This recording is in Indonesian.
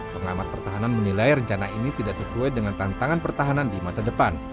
pengamat pertahanan menilai rencana ini tidak sesuai dengan tantangan pertahanan di masa depan